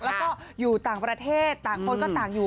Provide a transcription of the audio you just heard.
แล้วก็อยู่ต่างประเทศต่างคนก็ต่างอยู่